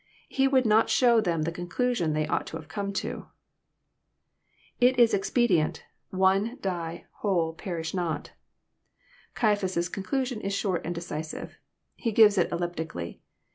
He would not show them the conclusion they ought to have come to. [_It is expedient...one,„die..Mhole,..perish not.'] Caiaphas' con clusion is short and decisive. He gives it elliptically.